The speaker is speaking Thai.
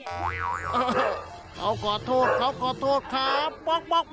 เขาก่อโทษครับ